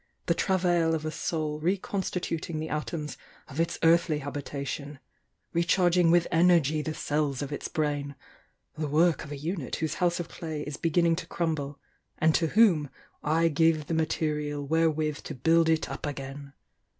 — the ti nvail of t soul reconsatuting the atoms of its earthly habitation, —recharging with energy the c'ls of its brain— the work of a unit whose house of clay is beginning to crumble, and to whom I give the material where with to build It up again